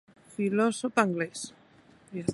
Filosòf anglés.